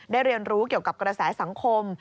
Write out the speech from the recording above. เรียนรู้เกี่ยวกับกระแสสังคม